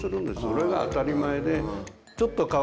それが当たり前で。